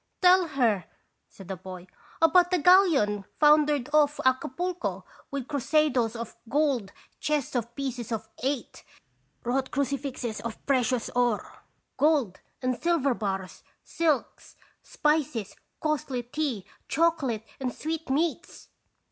"Tell her," said the boy, " about the galleon foundered off Acapulco with crusadoes of gold, chests of pieces of eight, wrought crucifixes of precious ore, gold and silver bars, silks, spices, costly tea, chocolate, and sweetmeats."